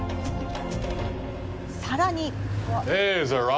さらに！